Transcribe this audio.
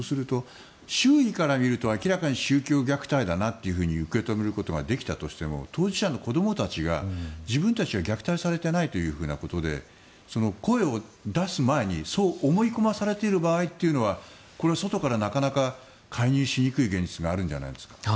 周囲から見ると明らかに宗教虐待だなと、どうしても受け止めることができても当事者の子供たちが自分たちは虐待されていないということで声を出す前にそう思い込まされている場合は外からなかなか介入しにくい現実があるんじゃないですか？